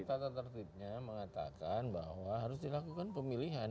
tata tertibnya mengatakan bahwa harus dilakukan pemilihan